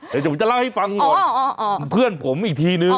เดี๋ยวผมจะเล่าให้ฟังก่อนเพื่อนผมอีกทีนึง